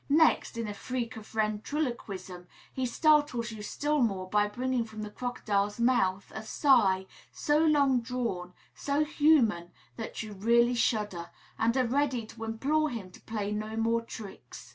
Next, in a freak of ventriloquism, he startles you still more by bringing from the crocodile's mouth a sigh, so long drawn, so human, that you really shudder, and are ready to implore him to play no more tricks.